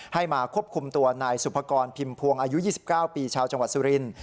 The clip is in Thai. ให้มาควบคุมตัวนายสุภกรพิมพวงอายุ๒๙ปีชาวจังหวัดสุรินทร์